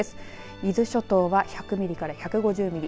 伊豆諸島は１００ミリから１５０ミリ